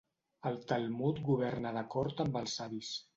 El Talmud governa d'acord amb els savis.